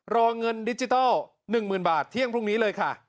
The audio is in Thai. รอเงินดิจิทัล๑๐๐๐บาทเที่ยงพรุ่งนี้เลยค่ะ